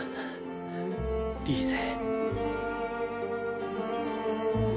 リーゼ。